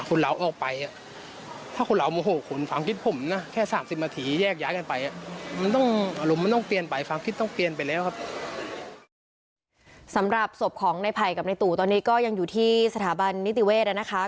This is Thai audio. คุณผู้สึกว่าโคตรเชื่อมือกับไหนหน่อยกับในตู่ตอนนี้ก็ยังอยู่ที่สหบันนิติเวสแล้วนะคะ